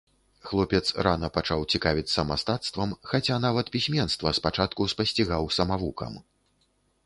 Хлопец рана пачаў цікавіцца мастацтвам, хаця нават пісьменства спачатку спасцігаў самавукам.